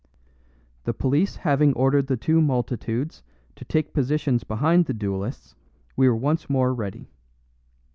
The police having ordered the two multitudes to take positions behind the duelists, we were once more ready.